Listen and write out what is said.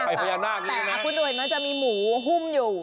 แต่ขุดรวยมันจะมีหมูฮุ่มอยู่